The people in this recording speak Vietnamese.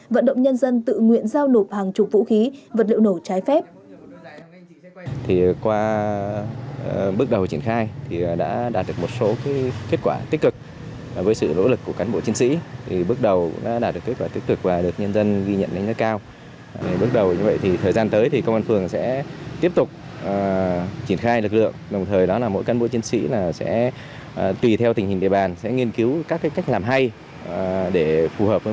vận động nhân dân tự nguyện giao nộp hàng chục vũ khí vật liệu nổ trái phép